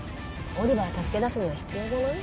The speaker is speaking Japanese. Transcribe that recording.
オリバーを助け出すには必要じゃない？